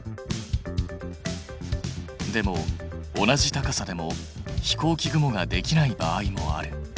でも同じ高さでも飛行機雲ができない場合もある。